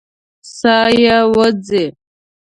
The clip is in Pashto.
ساه یې وځي.